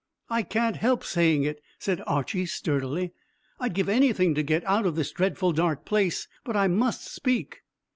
"I can't help saying it," said Archy sturdily. "I'd give anything to get out of this dreadful dark place; but I must speak."